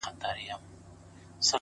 پرمختګ د کوچنیو ګامونو ټولګه ده،